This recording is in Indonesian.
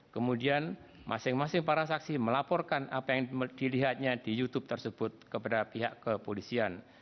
kemudian masing masing para saksi melaporkan apa yang dilihatnya di youtube tersebut kepada pihak kepolisian